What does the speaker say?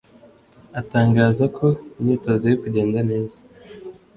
atangazako imyitozo iri kugenda neza